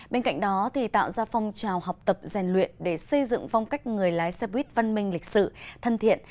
bên cạnh đó tạo ra phong trào học tập rèn luyện để xây dựng phong cách người lái xe buýt văn minh lịch sự thân thiện